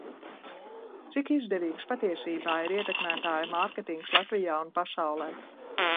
Cik izdevīgs patiesībā ir ietekmētāju mārketings Latvijā un pasaulē?